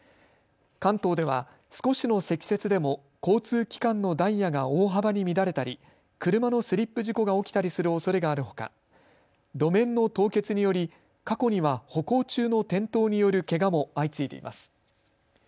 関東では少しの積雪でも交通機関のダイヤが大幅に乱れたり車のスリップ事故が起きたりするおそれがあるほか路面の凍結により過去には歩行中の転倒によるけがも相次いでいます。